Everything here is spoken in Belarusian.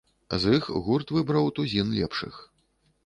З іх гурт выбраў тузін лепшых.